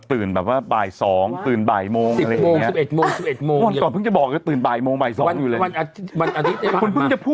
คือถ้าสมมติถ่ายรายการอย่างนี้บางทีอย่างพี่หนุ่มอย่างนี้